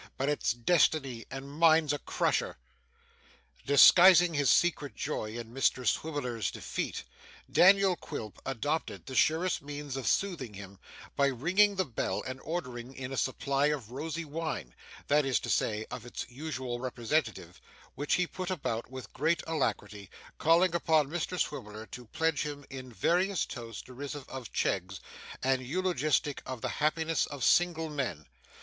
But it's Destiny, and mine's a crusher.' Disguising his secret joy in Mr Swiveller's defeat, Daniel Quilp adopted the surest means of soothing him, by ringing the bell, and ordering in a supply of rosy wine (that is to say, of its usual representative), which he put about with great alacrity, calling upon Mr Swiveller to pledge him in various toasts derisive of Cheggs, and eulogistic of the happiness of single men.